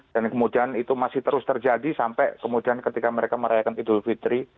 dan kemudian itu masih terus terjadi sampai kemudian ketika mereka merayakan idul fitri